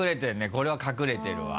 これは隠れてるわ。